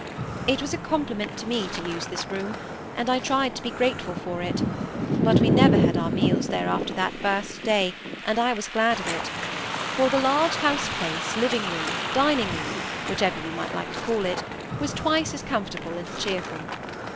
It was a compliment to me to use this room, and I tried to be grateful for it; but we never had our meals there after that first day, and I was glad of it; for the large house place, living room, dining room, whichever you might like to call it, was twice as comfortable and cheerful.